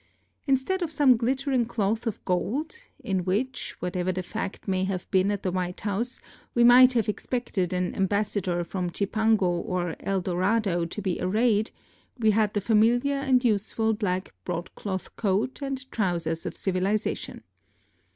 Instead of some glittering cloth of gold, in which, whatever the fact may have been at the White House, we might have expected an ambassador from Zipango or El Dorado to be arrayed, we had the familiar and useful black broadcloth coat and trousers of civilization.